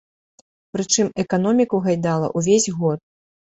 Прычым эканоміку гайдала ўвесь год.